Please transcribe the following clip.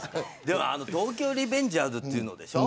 東京リベンジャーズっていうのでしょ。